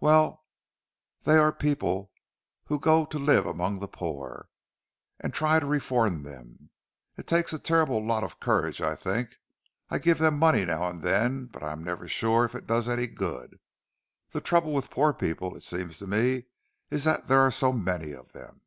"Well, they are people who go to live among the poor, and try to reform them. It takes a terrible lot of courage, I think. I give them money now and then, but I am never sure if it does any good. The trouble with poor people, it seems to me, is that there are so many of them."